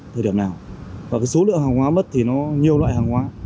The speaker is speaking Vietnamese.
thời điểm nào và cái số lượng hàng hóa mất thì nó nhiều loại hàng hóa